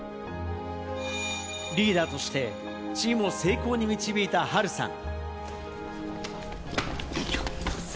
リーダーとしてチームを成功に導いたハルさん。